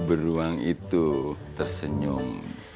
emang itu tersenyum